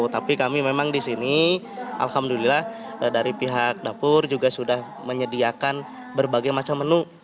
tapi kami memang di sini alhamdulillah dari pihak dapur juga sudah menyediakan berbagai macam menu